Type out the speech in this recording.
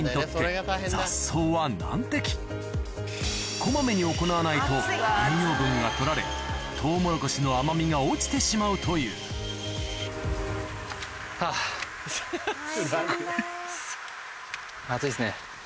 こまめに行わないと栄養分が取られトウモロコシの甘みが落ちてしまうという暑いですね。